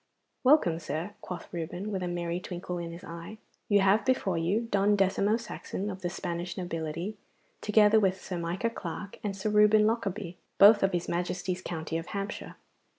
'Welcome, sir,' quoth Reuben, with a merry twinkle in his eye. 'You have before you Don Decimo Saxon of the Spanish nobility, together with Sir Micah Clarke and Sir Reuben Lockarby, both of his Majesty's county of Hampshire.